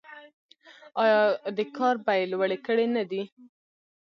آیا دې کار بیې لوړې کړې نه دي؟